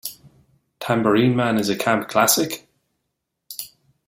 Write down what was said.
Tambourine Man' is a camp classic?